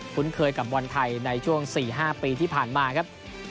คุ้นเคยกับบอลไทยในช่วง๔๕ปีที่ผ่านมาครับ